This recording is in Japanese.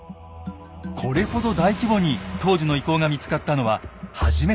これほど大規模に当時の遺構が見つかったのは初めてです。